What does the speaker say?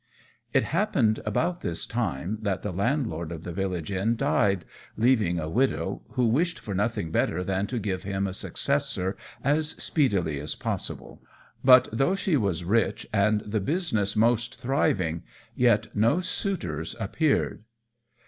It happened about this time that the landlord of the village inn died, leaving a widow, who wished for nothing better than to give him a successor as speedily as possible; but though she was rich, and the business most thriving, yet no suitors appeared.